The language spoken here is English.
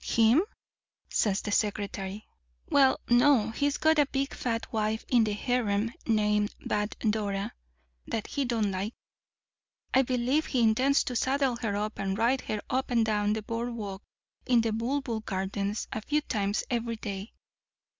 "'Him?' says the secretary. 'Well, no. He's got a big, fat wife in the harem named Bad Dora that he don't like. I believe he intends to saddle her up and ride her up and down the board walk in the Bulbul Gardens a few times every day.